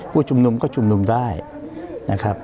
ผู้ชุมนุมก็ชุมนุมได้นะครับ